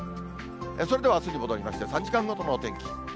それではあすに戻りまして、３時間ごとのお天気。